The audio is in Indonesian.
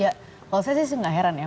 ya kalau saya sih nggak heran ya